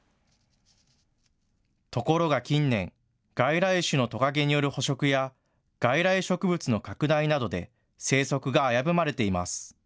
ところが近年、外来種のトカゲによる捕食や外来植物の拡大などで生息が危ぶまれています。